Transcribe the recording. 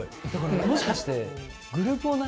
もしかして。